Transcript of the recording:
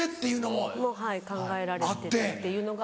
はい考えられてっていうのが。